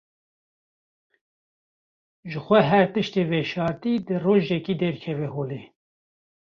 Jixwe her tiştê veşartî dê rojekê derkeve holê.